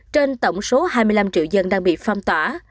trên tổng số hai mươi năm triệu dân đang bị phong tỏa